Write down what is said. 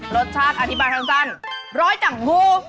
รสชาติอธิบายขั้นสั้น๑๐๐จังหู